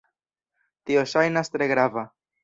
Tio ŝajnas tre grava